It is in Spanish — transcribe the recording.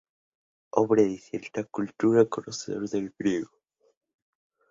Hombre de cierta cultura, conocedor del griego.